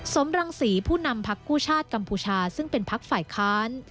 สมรังศรีผู้นำพักกู้ชาติกัมพูชาซึ่งเป็นพักฝ่ายค้าน